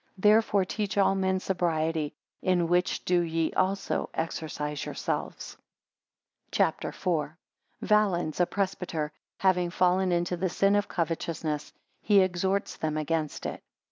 13 Therefore teach all men sobriety; in which do ye also exercise yourselves. CHAPTER IV. Valens, a presbyter, having fallen into the sin of covetousness, he exhorts them against it.